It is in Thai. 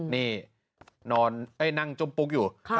นี่นอนนั่งจุ้มปุ๊กอยู่